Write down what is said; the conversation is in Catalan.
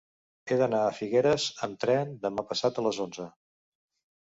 He d'anar a Figueres amb tren demà passat a les onze.